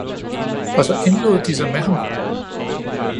og så indlod de sig med ham.